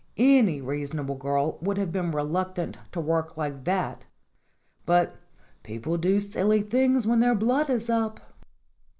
Any reasonable girl would have been reluctant to work like that, but people do silly things when their blood is up.